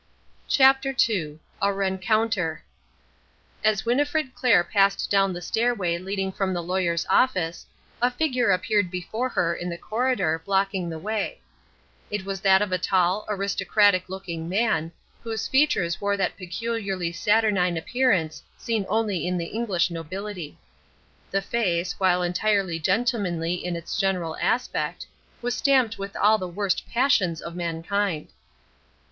CHAPTER II A RENCOUNTER As Winnifred Clair passed down the stairway leading from the Lawyer's office, a figure appeared before her in the corridor, blocking the way. It was that of a tall, aristocratic looking man, whose features wore that peculiarly saturnine appearance seen only in the English nobility. The face, while entirely gentlemanly in its general aspect, was stamped with all the worst passions of mankind.